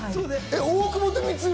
大久保と光浦